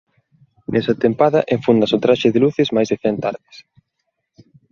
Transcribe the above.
Nesa tempada enfúndase o traxe de luces máis de cen tardes.